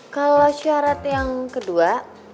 kalo syarat yang kedua